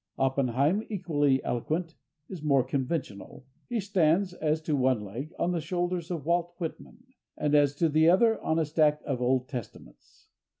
Oppenheim, equally eloquent, is more conventional. He stands, as to one leg, on the shoulders of Walt Whitman, and, as to the other, on a stack of Old Testaments.